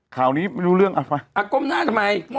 คราวนี้มันรู้เรื่องเอาไป